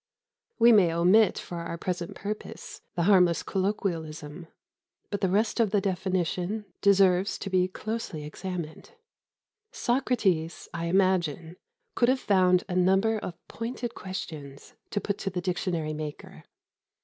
We may omit for our present purpose the harmless colloquialism, but the rest of the definition deserves to be closely examined. Socrates, I imagine, could have found a number of pointed questions to put to the dictionary maker.